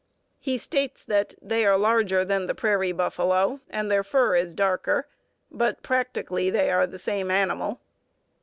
He states that 'they are larger than the prairie buffalo, and the fur is darker, but practically they are the same animal.'